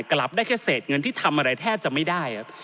กลับได้แค่เศษเงินที่ทำอะไรแทบจะไม่ได้ครับ